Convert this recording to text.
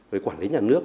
với quản lý nhà nước